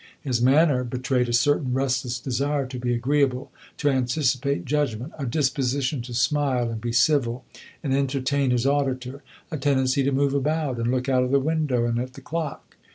His manner betrayed a certain restless desire to be agreeable, to anticipate judgment a disposition to smile, and be civil, and entertain his auditor, a tendency to move about and look out of the window and at the clock.